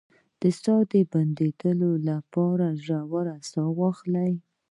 د ساه د بندیدو لپاره ژوره ساه واخلئ